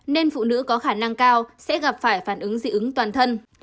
nên phụ nữ có khả năng cao sẽ gặp phải phản ứng dị ứng toàn thân